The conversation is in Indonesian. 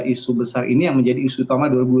isu besar ini yang menjadi isu utama dua ribu dua puluh